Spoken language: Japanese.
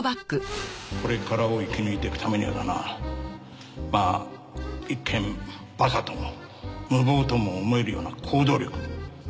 これからを生き抜いていくためにはだなまあ一見バカとも無謀とも思えるような行動力。